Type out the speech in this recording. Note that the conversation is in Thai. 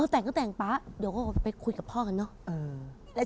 แต่งก็แต่งป๊า